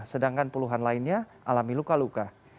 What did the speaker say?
sedangkan puluhan lainnya alami luka luka